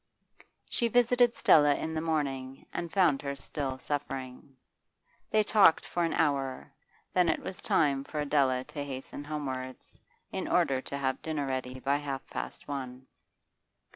She visited Stella in the morning, and found her still suffering. They talked for an hour, then it was time for Adela to hasten homewards, in order to have dinner ready by half past one.